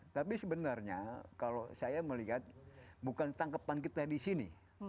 tapi sebenarnya kalau saya melihat bukan tangkapan kita di sini